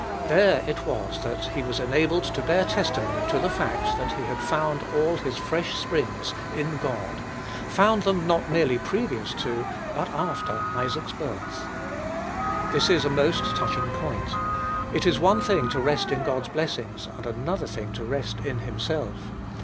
There it was that he was enabled to bear testimony to the fact that he had found all his fresh springs in God, found them not merely previous to, but after, Isaac's birth. This is a most touching point. It is one thing to rest in God's blessings, and another thing to rest in himself.